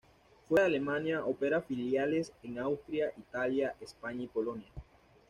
Fuera de Alemania opera filiales en Austria, Italia, España y Polonia.